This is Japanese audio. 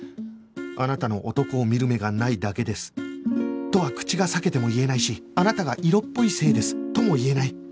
あなたの男を見る目がないだけですとは口が裂けても言えないしあなたが色っぽいせいですとも言えない